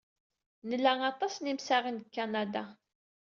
Nla aṭas n yimsaɣen seg Kanada.